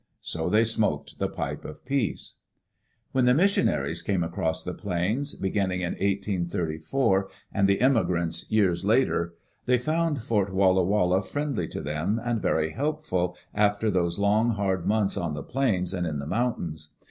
So they smoked the pipe of peace. When the missionaries came across the plains, begin Digitized by CjOOQ IC DANGER AT FORT WALLA WALLA ning in 1834, and the emigrants years later, they found Fort Walla Walla friendly to them, and very helpful, after those long hard months on the plains and in the mountains.